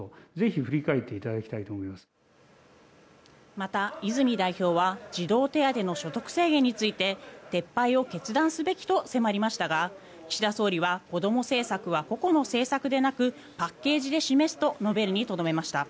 また、泉代表は児童手当の所得制限について撤廃を決断すべきと迫りましたが岸田総理は子ども政策は個々の政策ではなくパッケージで示すと述べるにとどめました。